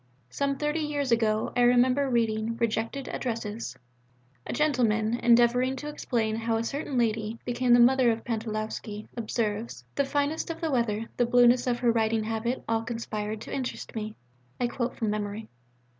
Some thirty years ago I remember reading Rejected Addresses. A gentleman, endeavouring to explain how a certain lady 'became the mother of the Pantalowski' observes, 'The fineness of the weather, the blueness of her riding habit all conspired to interest me' (I quote from memory).